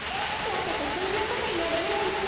まさかそんなこといわれるなんて